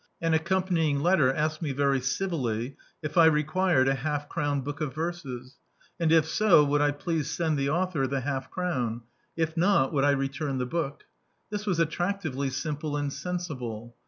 An accompanying letter asked me very civiily if I required a half crown book of verses; and if so, would I please send the author the half crown: if not, would I return the book. This was attractively simple and sensible.